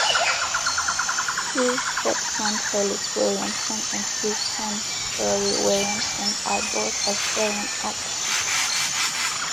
His stepson Felix Williamson and his son Rory Williamson are both Australian actors.